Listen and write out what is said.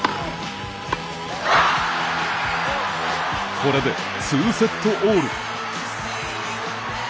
これで、２セットオール。